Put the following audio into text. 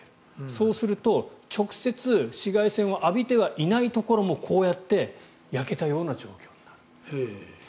そうすると直接紫外線を浴びてはいないところもこうやって焼けたような状況になる。